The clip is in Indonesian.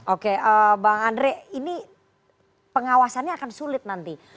oke bang andre ini pengawasannya akan sulit nanti